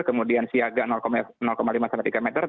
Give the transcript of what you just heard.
kemudian siaga lima sampai tiga meter